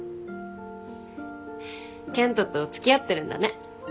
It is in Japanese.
健人と付き合ってるんだね。